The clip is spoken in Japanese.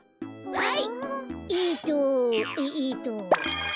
はい。